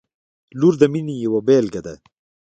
• لور د مینې یوه بېلګه ده.